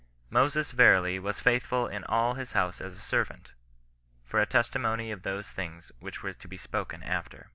" Moses verily was futhful in all his house as a servant, for a testimony of those things which were to be spoken after.